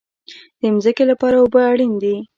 د ځمکې لپاره اوبه اړین دي